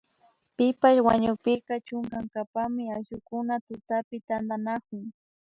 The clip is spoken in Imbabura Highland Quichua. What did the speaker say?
Pipash wañukpika chunkankapami ayllukuna tutapi tantanakun